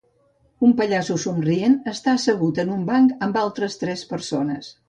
Un pallasso somrient està assegut en un banc amb altres tres persones.